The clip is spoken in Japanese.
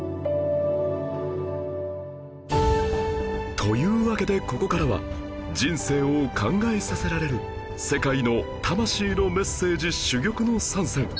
というわけでここからは人生を考えさせられる世界の魂のメッセージ珠玉の３選